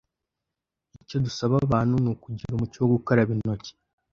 icyo dusaba abantu ni ukugira umuco wo gukaraba intoki;